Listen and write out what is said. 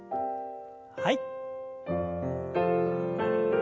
はい。